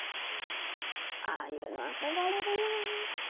ああいうの憧れるなぁ。